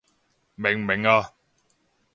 明唔明啊？